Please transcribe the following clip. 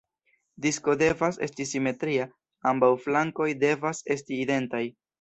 Disko devas esti simetria; ambaŭ flankoj devas esti identaj.